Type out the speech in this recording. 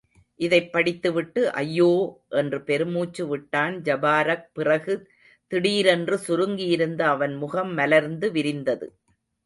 இதைப் படித்துவிட்டு ஐயோ! என்று பெருமூச்சு விட்டான் ஜபாரக் பிறகு திடீரென்று சுருங்கியிருந்த அவன் முகம் மலர்ந்து விரிந்தது.